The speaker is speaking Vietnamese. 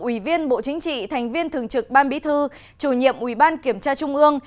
ủy viên bộ chính trị thành viên thường trực ban bí thư chủ nhiệm ủy ban kiểm tra trung ương